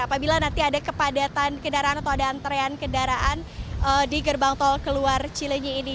apabila nanti ada kepadatan kendaraan atau ada antrean kendaraan di gerbang tol keluar cilenyi ini